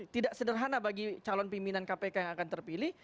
tidak sederhana bagi calon pimpinan kpk yang akan terpilih